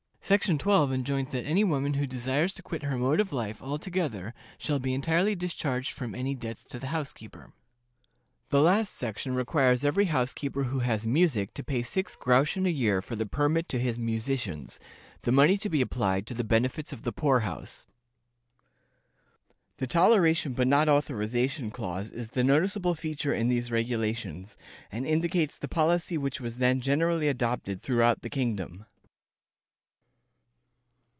Section 12 enjoins that any woman who desires to quit her mode of life altogether shall be entirely discharged from any debts to the housekeeper. The last section requires every housekeeper who has music to pay six groschen a year for the permit to his musicians, the money to be applied to the benefit of the poor house. The "toleration but not authorization" clause is the noticeable feature in these regulations, and indicates the policy which was then generally adopted throughout the kingdom.